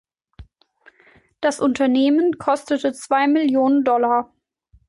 Das Unternehmen kostete zwei Millionen Dollar.